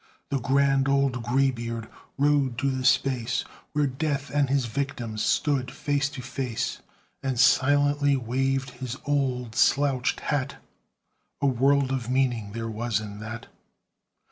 The grand old graybeard rode to the space Where Death and his victims stood face to face, And silently waved his old slouched hat A world of meaning there was in that!